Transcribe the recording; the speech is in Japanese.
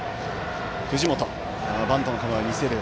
藤本、バントの構えを見せる。